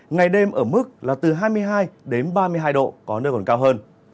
ngày đêm ở mức là từ hai mươi hai đến ba mươi hai độ có nơi còn cao hơn